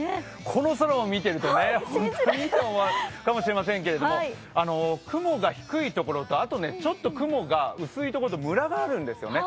この空を見ていると本当に？と思うかもしれませんが雲が低いところとちょっと雲が薄いところとむらがあるんですよね。